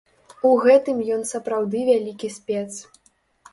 У гэтым ён сапраўды вялікі спец.